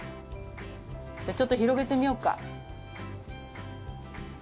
じゃあちょっとひろげてみようか。